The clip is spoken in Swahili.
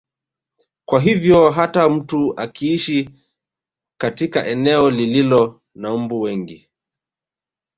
Kwa hivyo hata mtu akiishi katika eneo lililo na mbu wengi